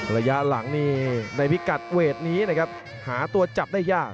ระยะหลังในพิกัดเวทนี้หาตัวจับได้ยาก